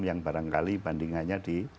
yang barangkali bandingannya di